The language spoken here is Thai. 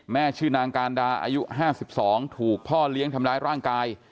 ชื่อนางการดาอายุ๕๒ถูกพ่อเลี้ยงทำร้ายร่างกาย